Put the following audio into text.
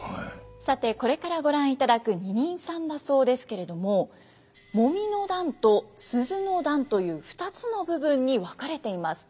さてこれからご覧いただく「二人三番叟」ですけれども「揉の段」と「鈴の段」という２つの部分に分かれています。